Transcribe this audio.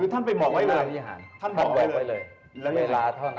ท่านไปหมอกไว้หน้าพิหาร